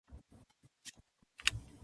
いつも美味しいご飯を作る